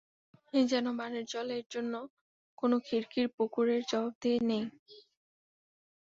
এ যেন বানের জল, এর জন্যে কোনো খিড়কির পুকুরের জবাবদিহি নেই।